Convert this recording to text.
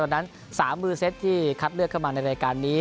นั้น๓มือเซตที่คัดเลือกเข้ามาในรายการนี้